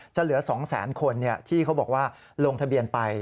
เหลือ๒แสนคนที่เขาบอกว่าลงทะเบียนไป